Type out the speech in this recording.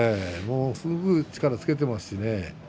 力をつけていますしね。